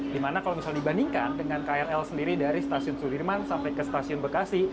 dimana kalau misal dibandingkan dengan krl sendiri dari stasiun sudirman sampai ke stasiun bekasi